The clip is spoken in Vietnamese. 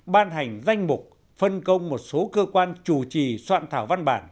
ban hành danh mục phân công một số cơ quan chủ trì soạn thảo văn bản